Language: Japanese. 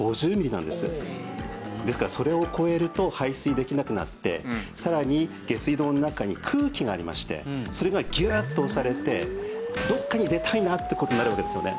ですからそれを超えると排水できなくなってさらに下水道の中に空気がありましてそれがギュッと押されてどこかに出たいなって事になるわけですよね。